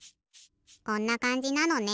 こんなかんじなのね。